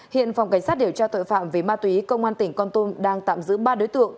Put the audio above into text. hiện phòng cảnh sát điều tra tội phạm về ma túy công an tỉnh con tum đang tạm giữ ba đối tượng